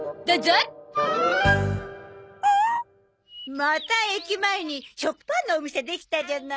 また駅前に食パンのお店できたじゃない？